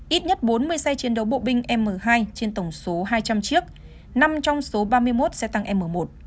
ít nhất bốn mươi xe chiến đấu bộ binh m hai trên tổng số hai trăm linh chiếc năm trong số ba mươi một xe tăng m một